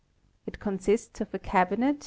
It consists of a cabinet .